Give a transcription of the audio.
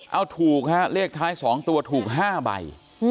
เอาถูกฮะเลขท้าย๒ตัวถูก๕ใบ